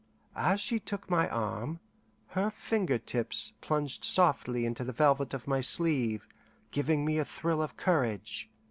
As she took my arm, her finger tips plunged softly into the velvet of my sleeve, giving me a thrill of courage.